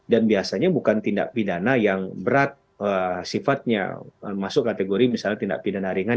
biasanya bukan tindak pidana yang berat sifatnya masuk kategori misalnya tindak pidana ringan